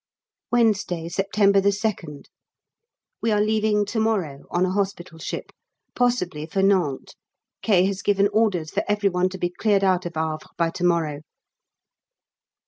Wednesday, September 2nd. We are leaving to morrow, on a hospital ship, possibly for Nantes K. has given orders for every one to be cleared out of Havre by to morrow.